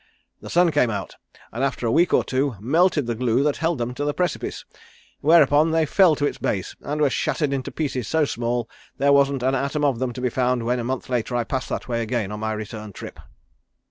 "The sun came out, and after a week or two melted the glue that held them to the precipice, whereupon they fell to its base and were shattered into pieces so small there wasn't an atom of them to be found when a month later I passed that way again on my return trip."